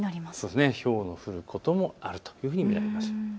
ひょうの降ることもあると見られます。